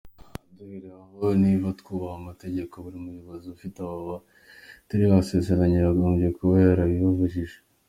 Duhereye aho, niba twubaha amategeko, buri muyobozi ufite aba batari barasezeranye yagombye kuba yarabibajijwe.